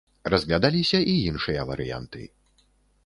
Разглядаліся і іншыя варыянты.